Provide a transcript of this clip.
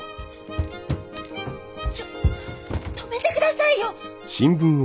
ちょ止めてくださいよ。